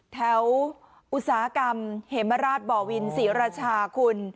อุตสาหกรรมเหมราชบ่อวินศรีราชาคุณ